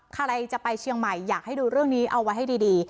ใครจะไปเชียงใหม่อยากให้ดูเรื่องนี้เอาไว้ให้ดี